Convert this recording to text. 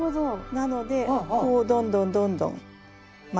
なのでこうどんどんどんどん巻いてきて。